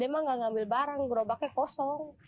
mereka nggak ngambil barang gerobaknya kosong